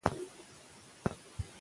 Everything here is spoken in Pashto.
نجونې باید په پوهنتونونو کې هم شاملې شي.